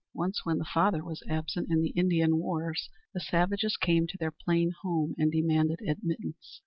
Once when the father was absent in the Indian wars, the savages came to their plain home and demanded admittance.